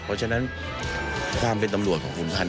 เพราะฉะนั้นความเป็นตำรวจของคุณพันธ